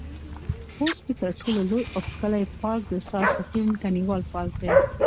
خوست کې تر ټولو لوى او ښکلى پارک د استاد حکيم تڼيوال پارک دى.